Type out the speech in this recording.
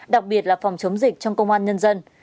đặc biệt là phòng chống dịch trong công an nhân dân